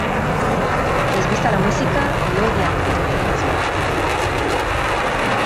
Les gusta la música y odian no tener clientes para trabajar.